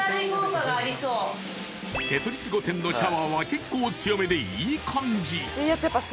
［テトリス御殿のシャワーは結構強めでいい感じ］